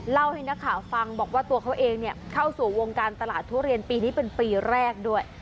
เล่าให้นักข่าวฟังบอกว่าตัวเขาเองเข้าสู่วงการตลาดทุเรียนปีนี้เป็นปีแรกด้วย